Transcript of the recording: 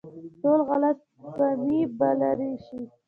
ټولې غلط فهمۍ به لرې شي.